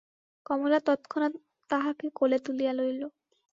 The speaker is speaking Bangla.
কমলা তৎক্ষণাৎ তাহাকে কোলে তুলিয়া লইল।